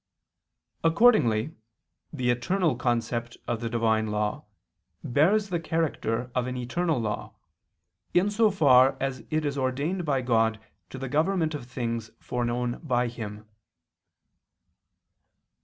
Accordingly the eternal concept of the Divine law bears the character of an eternal law, in so far as it is ordained by God to the government of things foreknown by Him.